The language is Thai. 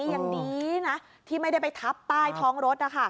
อย่างนี้นะที่ไม่ได้ไปทับใต้ท้องรถนะค่ะ